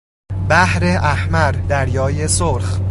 بحر احمر، دریای سرخ